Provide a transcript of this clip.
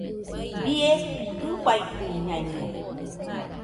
¡Bie jɨfaidɨñaino!